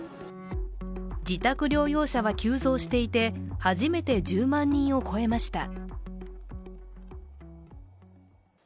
自宅療養者は急増していて、初めて１０万人を超えました。